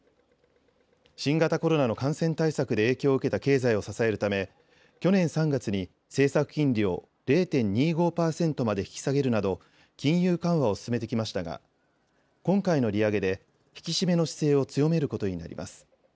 新型コロナの感染対策で影響を受けた経済を支えるため去年３月に政策金利を０．２５％まで引き下げるなど金融緩和を進めてきましたが今回の利上げで引き締めの姿勢を強めることになります。